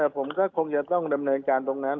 ผมก็คงจะต้องดำเนินการตรงนั้น